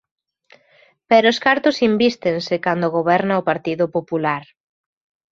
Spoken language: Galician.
Pero os cartos invístense cando goberna o Partido Popular.